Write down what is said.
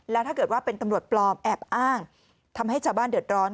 แล้วถ้าเกิดว่าเป็นตำรวจปลอมแอบอ้างทำให้ชาวบ้านเดือดร้อน